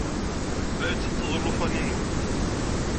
La itteṭṭeḍ ulufan-nni.